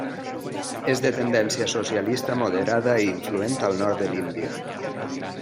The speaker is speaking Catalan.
És de tendència socialista moderada i influent al nord de l'Índia.